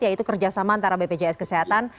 yaitu kerjasama antara bpjs kesehatan